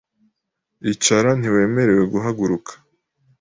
Icara .Ntiwemerewe guhaguruka .